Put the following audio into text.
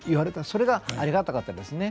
それがありがたかったですね。